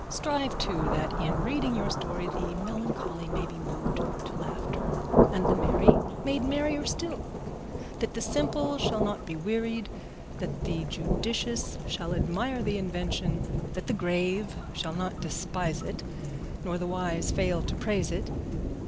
Strive, too, that in reading your story the melancholy may be moved to laughter, and the merry made merrier still; that the simple shall not be wearied, that the judicious shall admire the invention, that the grave shall not despise it, nor the wise fail to praise it.